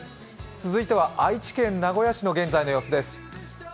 続いては愛知県名古屋市の現在の様子です。